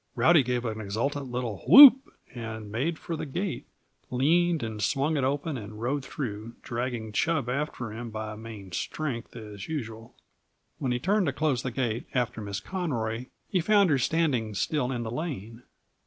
Rowdy gave an exultant little whoop and made for the gate, leaned and swung it open and rode through, dragging Chub after him by main strength, as usual. When he turned to close the gate after Miss Conroy he found her standing still in the lane.